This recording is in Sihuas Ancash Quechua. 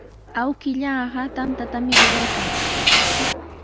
Awkilluuqa tantatami ruraykan.